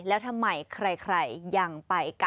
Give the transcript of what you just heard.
แล้วทำไมใครยังไปกัน